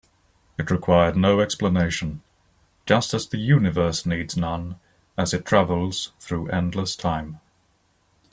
It required no explanation, just as the universe needs none as it travels through endless time.